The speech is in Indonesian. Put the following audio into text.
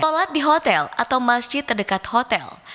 sholat di hotel atau masjid terdekat hotel